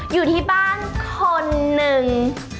อยู่ที่บ้านคนหนึ่ง